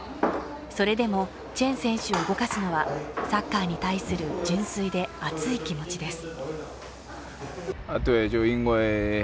それでもチェン選手を動かすのはサッカーに対する純粋で熱い気持ちです